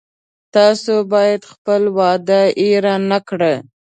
تاسو باید خپله وعده هیره نه کړی